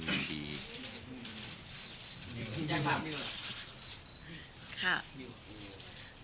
มิวอยากฝากมิวเหรอ